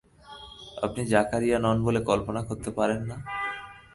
আপনি জাকারিয়া নন বলে কল্পনা করতে পারেন না।